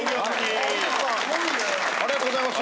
ありがとうございます